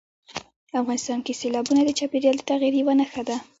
افغانستان کې سیلابونه د چاپېریال د تغیر یوه نښه ده.